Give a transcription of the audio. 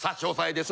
です